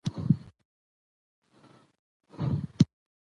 ورته يې وويل چې لور مې درکم.